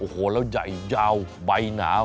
โอ้โหแล้วใหญ่ยาวใบหนาว